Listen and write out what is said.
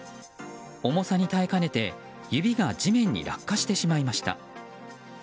重さに耐えかねて指が地面に落下してしまいました。